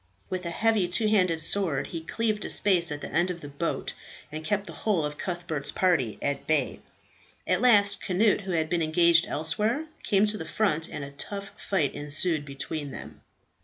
With a heavy two handed sword he cleaved a space at the end of the boat, and kept the whole of Cuthbert's party at bay. At last Cnut, who had been engaged elsewhere, came to the front, and a tough fight ensued between them.